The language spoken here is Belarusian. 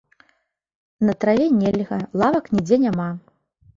На траве нельга, лавак нідзе няма!